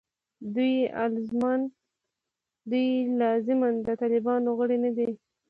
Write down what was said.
دوی الزاماً د طالبانو غړي نه دي.